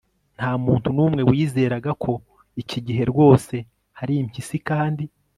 ntamuntu numwe wizeraga ko iki gihe rwose hari impyisi, kandi